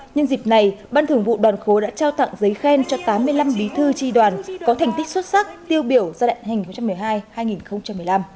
nhân dịp này ban thường vụ đoàn khối đã trao tặng giấy khen cho tám mươi năm bí thư tri đoàn có thành tích xuất sắc tiêu biểu giai đoạn hành một mươi hai hai nghìn một mươi năm